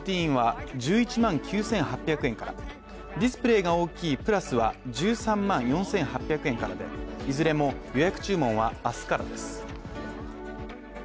ｉＰｈｏｎｅ１４は１１万９８００円からディスプレーが大きいＰｌｕｓは１３万４８００円からでいずれも予約注文は明日からです。